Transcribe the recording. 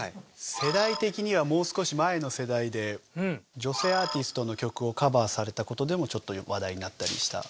世代的にはもう少し前の世代で女性アーティストの曲をカバーされた事でもちょっと話題になったりした。